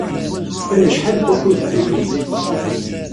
Kkan acḥal n wakud ddukkli.